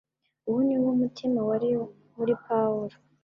Uwo ni wo mutima wari muri Pawulo.